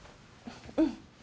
うん。